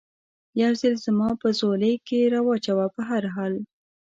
یو ځل زما په ځولۍ کې را و چوه، په هر حال.